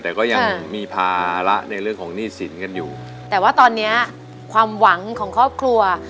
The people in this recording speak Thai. แต่ก็ยังมีภาระในเรื่องของหนี้สินกันอยู่แต่ว่าตอนเนี้ยความหวังของครอบครัว